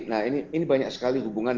nah ini banyak sekali hubungan